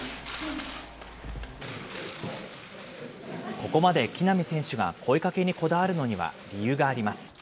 ここまで木浪選手が声かけにこだわるのには理由があります。